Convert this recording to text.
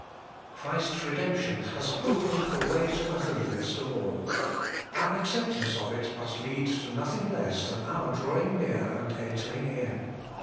Christ's redemption has opened the way to the Holiest of all : our acceptance of it must lead to nothing less than our drawing near 244 HOLY IN CHRIST. and entering in.